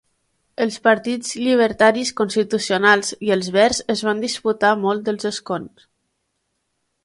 Els partits llibertaris, constitucionals i els verds es van disputar molts dels escons.